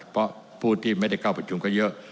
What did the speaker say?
เพราะผู้ที่ไม่ได้เข้าประชุมก็เยอะ